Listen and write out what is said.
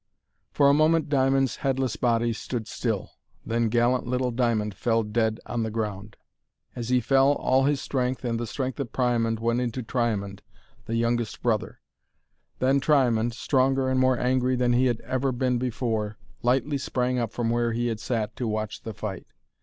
For a moment Diamond's headless body stood still. Then gallant little Diamond fell dead on the ground. As he fell, all his strength, and the strength of Priamond, went into Triamond, the youngest brother. Then Triamond, stronger and more angry than he had ever been before, lightly sprang up from where he had sat to watch the fight.